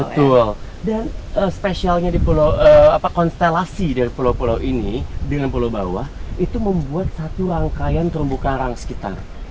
betul dan spesialnya konstelasi dari pulau pulau ini dengan pulau bawah itu membuat satu rangkaian terumbu karang sekitar